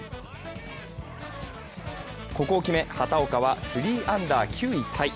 ここを決め、畑岡は３アンダー９位タイ。